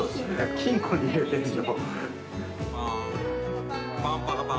金庫に入れてんの？